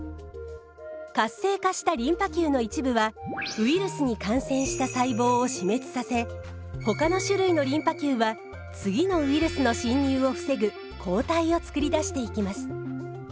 活性化したリンパ球の一部はウイルスに感染した細胞を死滅させほかの種類のリンパ球は次のウイルスの侵入を防ぐ抗体を作り出していきます。